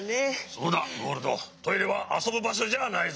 そうだゴールドトイレはあそぶばしょじゃないぞ。